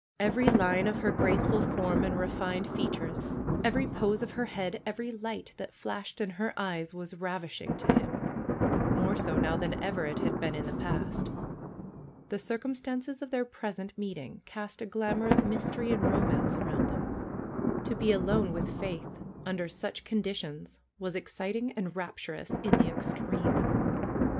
Every line of her graceful form and refined features, every pose of her head, every light that flashed in her eyes was rav ishing to him, more so now than ever it had been in the past. The circumstances of their present meeting cast a glamor of mystery and romance around them. To be alone with Faith under such conditions was ex citing and rapturous in the extreme.